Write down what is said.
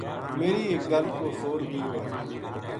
میری ایک گل کو سو رپیو ہے